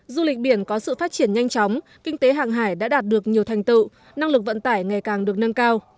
du lịch biển có sự phát triển nhanh chóng kinh tế hàng hải đã đạt được nhiều thành tựu năng lực vận tải ngày càng được nâng cao